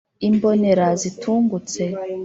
Imbonera zitungutse